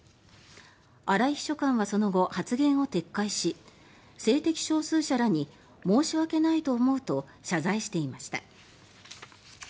荒井秘書官はその後発言を撤回し性的少数者らに申し訳ないと思うと謝罪していました。